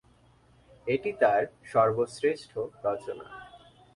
এটি তার সর্বশ্রেষ্ঠ রচনা।